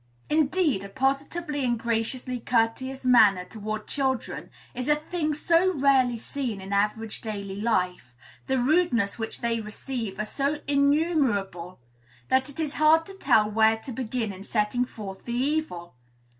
Indeed, a positively and graciously courteous manner toward children is a thing so rarely seen in average daily life, the rudenesses which they receive are so innumerable, that it is hard to tell where to begin in setting forth the evil.